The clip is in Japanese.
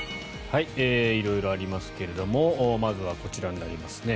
色々ありますけれどもまずはこちらになりますね。